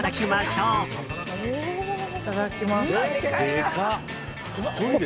いただきます。